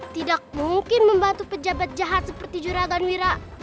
tidak mungkin membantu pejabat jahat seperti juragamira